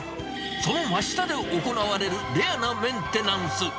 その真下で行われるレアなメンテナンス。